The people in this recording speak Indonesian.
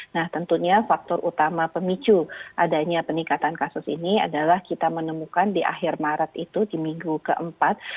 nah tentunya faktor utama pemicu adanya peningkatan kasus ini adalah kita menemukan di akhir maret itu di minggu keempat